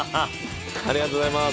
ありがとうございます。